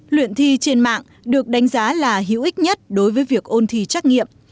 luyện thi trên mạng được đánh giá là hữu ích nhất đối với việc ôn thi trắc nghiệm